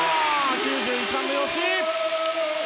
９１番の吉井！